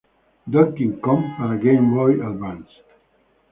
Donkey Kong" para Game Boy Advance.